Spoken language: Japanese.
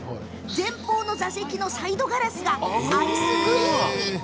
前方の座席のサイドガラスがアイスグリーンに。